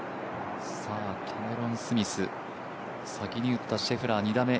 キャメロン・スミス、先に打ったシェフラー、２打目。